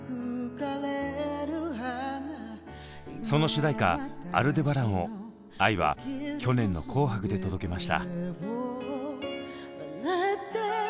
その主題歌「アルデバラン」をＡＩは去年の「紅白」で届けました。